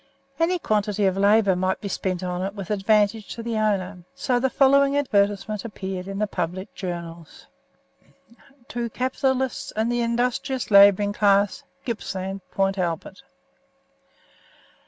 Any quantity of labour might be spent on it with advantage to the owner, so the following advertisement appeared in the public journals: TO CAPITALISTS AND THE INDUSTRIOUS LABOURING CLASS. GIPPSLAND PORT ALBERT.